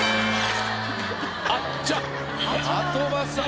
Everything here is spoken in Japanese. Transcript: あっちゃ的場さん。